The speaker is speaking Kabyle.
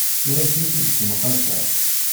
Ur asent-d-ssenqaseɣ.